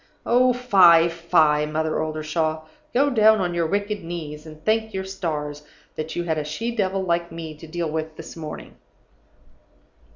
Oh, fie, fie, Mother Oldershaw! Go down on your wicked old knees, and thank your stars that you had a she devil like me to deal with this morning!